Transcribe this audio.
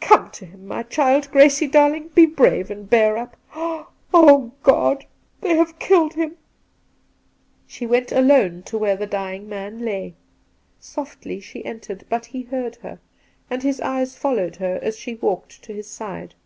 Come to him, my child. Gracie darling, be brave and bear up. Oh, God ! they have killed him !' She went alone to where the dying man lay. Softly she entered, but he heard her, and his eyes followed her as she walked to his side.